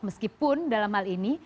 meskipun dalam hal ini